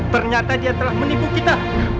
ternyata dia telah menipu kita